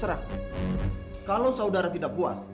emang lu berani gak boh